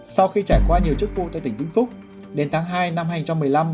sau khi trải qua nhiều chức vụ tại tỉnh vĩnh phúc đến tháng hai năm hai nghìn một mươi năm